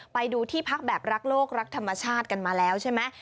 ไปดูที่พักแบบรักโลกรักธรรมชาติกันมาแล้วใช่ไหม